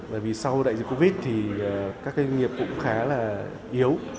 bởi vì sau đại dịch covid thì các doanh nghiệp cũng khá là yếu